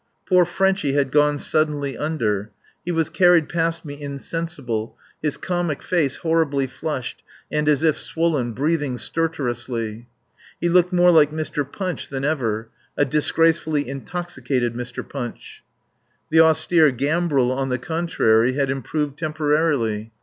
Poor Frenchy had gone suddenly under. He was carried past me insensible, his comic face horribly flushed and as if swollen, breathing stertorously. He looked more like Mr. Punch than ever; a disgracefully intoxicated Mr. Punch. The austere Gambril, on the contrary, had improved temporarily.